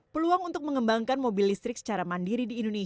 peluang untuk mengembangkan mobil listrik secara mandiri di indonesia